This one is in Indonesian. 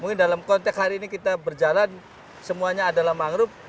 mungkin dalam konteks hari ini kita berjalan semuanya adalah mangrove